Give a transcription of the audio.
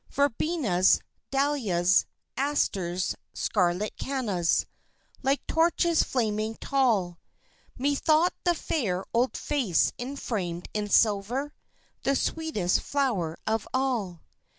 Verbenas, dahlias, asters, scarlet cannas Like torches flaming tall; (Methought the fair, old face, enframed in silver, The sweetest flower of all!)